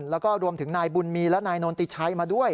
แล้วก็รวมถึงนายบุญมีและนายนนติชัยมาด้วย